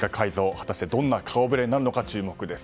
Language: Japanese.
果たしてどんな顔ぶれになるのか注目です。